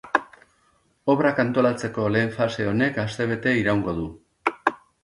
Obrak antolatzeko lehen fase honek astebete iraungo du.